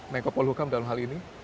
menkopul hukum dalam hal ini